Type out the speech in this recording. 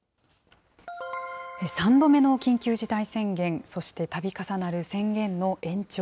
３度目の緊急事態宣言、そしてたび重なる宣言の延長。